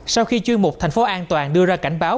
sau khi chuyên mục thành phố an toàn đưa ra cảnh báo